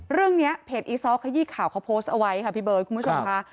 เรื่องนี้เพจอีซ้อขยี้ข่าวเขาโพสต์เอาไว้ค่ะพี่เบิร์ดคุณผู้ชมค่ะ